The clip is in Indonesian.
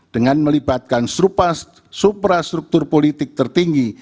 dengan melibatkan supra struktur politik tertinggi